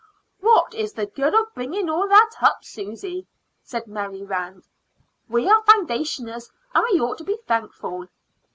"What is the good of bringing all that up, Susy?" said Mary Rand. "We are foundationers, and we ought to be thankful."